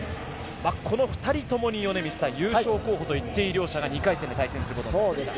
この２人ともに米満さん優勝候補と言っていい両者が２回戦で対戦することになりました。